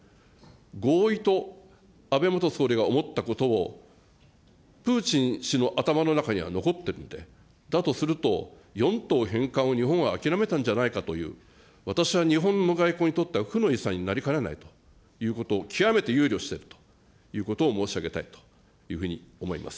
合意と安倍総理が思ったことを、プーチン氏の頭の中には残ってるんで、だとすると、４島返還を日本は諦めたんじゃないかという、私は日本の外交にとっては負の遺産になりかねないということを極めて憂慮してるということを申し上げたいというふうに思います。